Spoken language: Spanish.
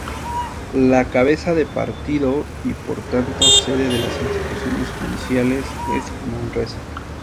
La cabeza de partido y por tanto sede de las instituciones judiciales es Manresa.